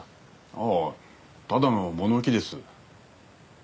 ああただの物置です。